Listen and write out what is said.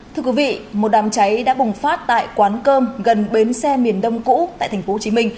thưa quý vị một đám cháy đã bùng phát tại quán cơm gần bến xe miền đông cũ tại tp hcm